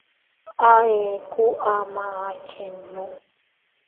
A eku ama a chinnu.